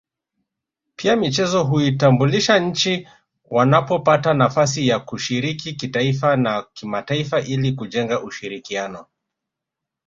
Pia michezo huitambulisha nchi wanapopata nafasi ya kushiriki kitaifa na kimataifa ili kujenga ushirikiano